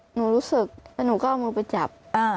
หนูรู้สึกแล้วหนูก็เอามือไปจับ